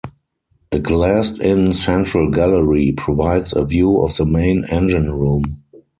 A glassed-in central gallery provides a view of the main engine room.